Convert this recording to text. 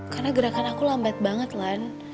karena gerakan aku lambat banget alan